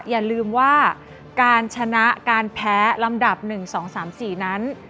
อย่าลืมว่าการชนะการแพ้ลำดับ๑๒๓๔นั้น